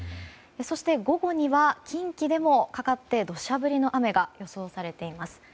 そして、午後には近畿でもかかって土砂降りの雨が予想されています。